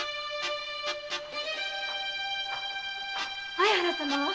相原様は？